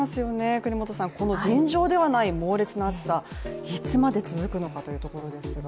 國本さん、この尋常ではない猛烈な暑さいつまで続くのかというところですが。